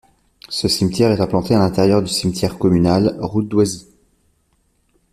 Ce cimetière est implanté à l'intérieur du cimetière communal, route d'Oisy.